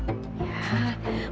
ini adalah kebenaran